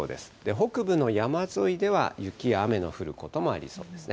北部の山沿いでは雪や雨の降ることもありそうですね。